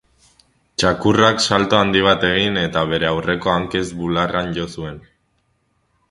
Txakurrak salto handi bat egin eta bere aurreko hankez bularrean jo zuen.